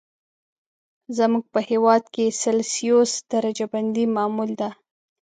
زموږ په هېواد کې سلسیوس درجه بندي معمول ده.